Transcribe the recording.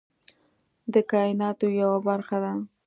د کایناتو یوه برخه ده.